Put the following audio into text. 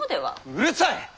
うるさい！